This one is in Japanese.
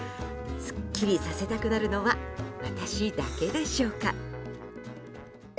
すっきりさせたくなるのは私だけでしょうか。